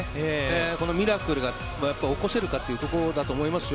このミラクルが起こせるかというところかと思いますよ。